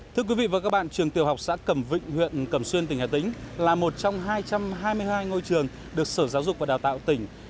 thưa quý vị và các bạn trường tiểu học xã cẩm vịnh huyện cẩm xuyên tỉnh hà tĩnh là một trong hai trăm hai mươi hai ngôi trường được sở giáo dục và đào tạo tỉnh